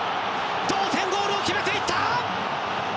同点ゴールを決めていった！